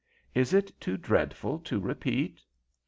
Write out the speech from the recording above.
Is it too dreadful to repeat?"